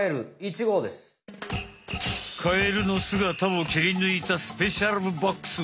カエルのすがたをきりぬいたスペシャルボックス。